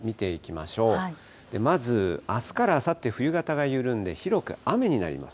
まずあすからあさって冬型が緩んで、広く雨になります。